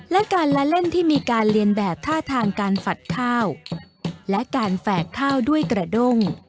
และการละเล่นที่มีการเรียนแบบท่าทางการฝัดข้าวและการแฝกข้าวด้วยกระด้ง